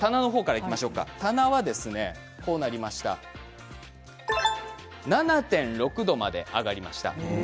棚は７．６度まで上がりました。